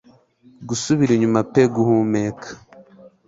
Gusubira inyuma pe guhumeka